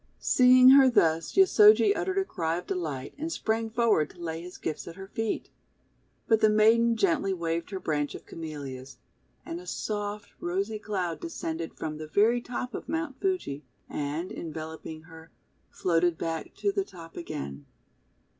Seeing her thus, Yosojl* uttered a cry of delight, and sprang forward to lay his gifts at her feet. But the maiden gently waved her branch of Camellias, and a soft, rosy cloud descended from the very top of Mount Fuji, and, enveloping her, floated back to the top again.